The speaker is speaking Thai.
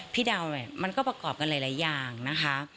พี่ดาวเนี่ยมันก็ประกอบกันหลายอย่างนะคะ